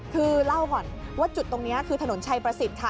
คือเล่าก่อนว่าจุดตรงนี้คือถนนชัยประสิทธิ์ค่ะ